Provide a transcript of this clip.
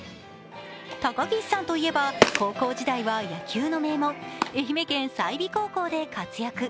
高岸さんといえば高校時代は野球の名門、愛媛県済美高校で活躍。